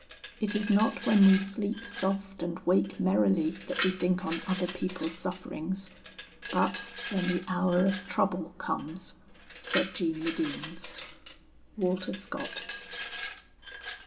it is not when we sleep soft and wake merrily that we think on other people's sufferings; but when the hour of trouble comes, said Jeanie Deans. WALTER SCOTT.